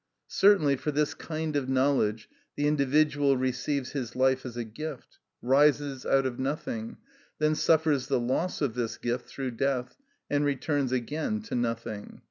Certainly, for this kind of knowledge, the individual receives his life as a gift, rises out of nothing, then suffers the loss of this gift through death, and returns again to nothing.